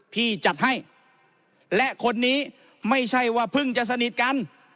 พี่จัดให้และคนนี้ไม่ใช่ว่าเพิ่งจะสนิทกัน